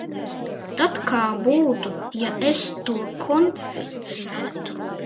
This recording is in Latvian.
Tad kā būtu, ja es to konfiscētu?